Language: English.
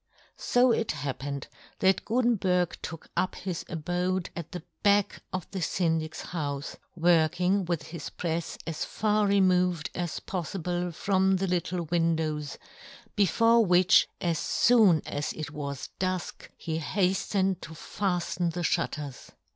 So it Tiappened that Gutenberg took up his abode at the back of the Syndic's houfe, working with his prefs as far removed as pof fible from the Httle windows, before which, as foon as it was dufk, he haftened to faflen the fhutters.